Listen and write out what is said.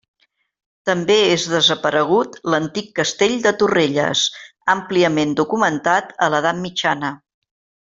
També és desaparegut l'antic Castell de Torrelles, àmpliament documentat a l'Edat mitjana.